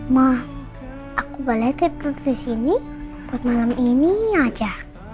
ma aku balik ke sini buat malam ini aja